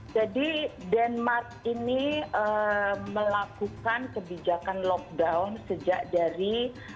jadi denmark ini melakukan kebijakan lockdown sejak dari